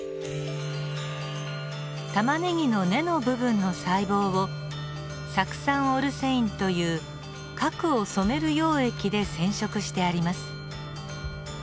タマネギの根の部分の細胞を酢酸オルセインという核を染める溶液で染色してあります。